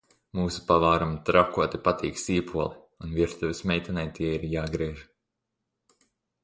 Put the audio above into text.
Mūsu pavāram trakoti patīk sīpoli un virtuves meitenei tie ir jāgriež.